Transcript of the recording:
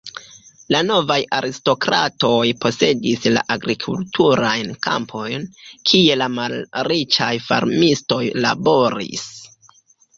La novaj aristokratoj posedis la agrikulturajn kampojn, kie la malriĉaj farmistoj laboris.